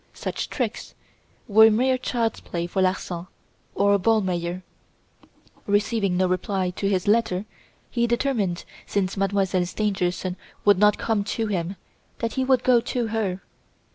Such tricks were mere child's play for Larsan, or Ballmeyer. "Receiving no reply to his letter, he determined, since Mademoiselle Stangerson would not come to him, that he would go to her.